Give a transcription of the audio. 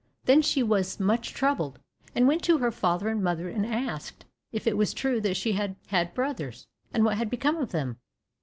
Then she was much troubled, and went to her father and mother and asked if it was true that she had had brothers, and what had become of them?